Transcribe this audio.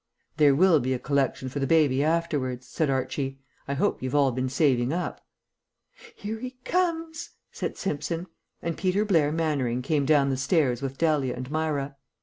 "There will be a collection for the baby afterwards," said Archie. "I hope you've all been saving up." "Here he comes!" said Simpson, and Peter Blair Mannering came down the stairs with Dahlia and Myra.